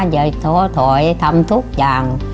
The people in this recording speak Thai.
อย่าท้อถอยทำทุกอย่าง